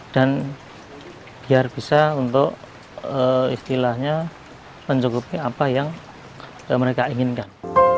dan biar bisa untuk istilahnya mencukupi apa yang mereka inginkan